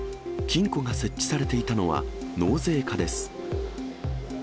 金庫が設置されていたのは、納税課です。